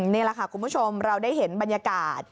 นี่แหละค่ะคุณผู้ชมเราได้เห็นบรรยากาศ